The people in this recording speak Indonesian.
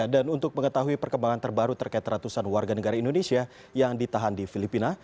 dan untuk mengetahui perkembangan terbaru terkait ratusan warga negara indonesia yang ditahan di filipina